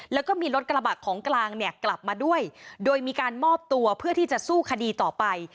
แล้วก็มีรถกระบะของกลางเนี่ยกลับมาด้วยโดยมีการมอบตัวเพื่อที่จะสู้คดีต่อไป